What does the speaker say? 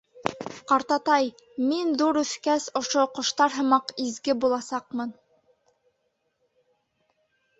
— Ҡартатай, мин ҙур үҫкәс ошо ҡоштар һымаҡ изге буласаҡмын.